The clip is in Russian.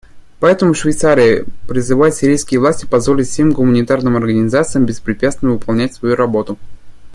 Поэтому Швейцария призывает сирийские власти позволить всем гуманитарным организациям беспрепятственно выполнять свою работу.